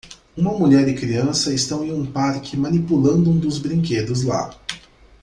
Uma mulher e criança estão em um parque manipulando um dos brinquedos lá